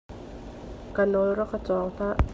Ka nawl rak ka cawng hlah.